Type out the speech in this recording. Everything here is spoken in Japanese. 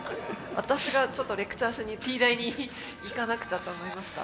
私がちょっとレクチャーしにＴ大に行かなくちゃと思いました。